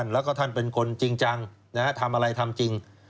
แล้วก็ท่านเป็นคนจริงจังทำอะไรทำจริง